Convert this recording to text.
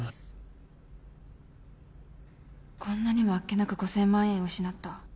こんなにもあっけなく ５，０００ 万円を失った